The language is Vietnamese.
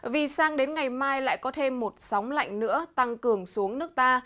vì sang đến ngày mai lại có thêm một sóng lạnh nữa tăng cường xuống nước ta